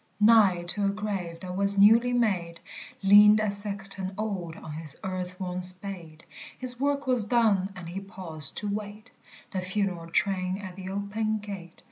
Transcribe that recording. Nigh to a grave that was newly made, Leaned a sexton old on his earth worn spade; His work was done, and he paused to wait The funeral train at the open gate.